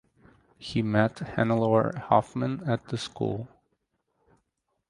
He met Hannelore Hoffmann at the school.